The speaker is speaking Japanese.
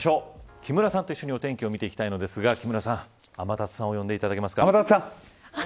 木村さんと一緒にお天気を見ていきたいのですが木村さん、天達さんを呼んでいただけますか。